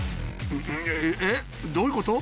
えっ？どういうこと？